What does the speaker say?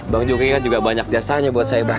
bang joki kan juga banyak jasanya buat saya bang